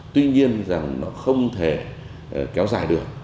tuy nhiên rằng nó không thể kéo dài được